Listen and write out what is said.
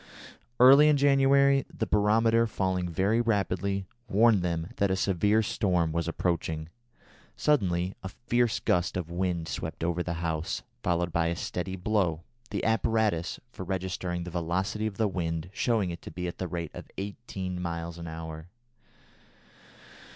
Early in January the barometer, falling very rapidly, warned them that a severe storm was approaching. Suddenly a fierce gust of wind swept over the house, followed by a steady blow, the apparatus for registering the velocity of the wind showing it to be at the rate of eighteen miles an hour.